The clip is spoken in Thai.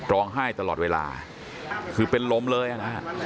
ร้องไห้ตลอดเวลาคือเป็นลมเลยนะฮะ